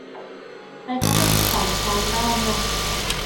Mae o'n cadw crwban fatha anifail anwes.